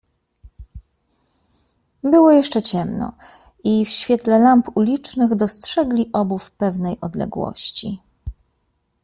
"Było jeszcze ciemno i w świetle lamp ulicznych dostrzegli obu w pewnej odległości."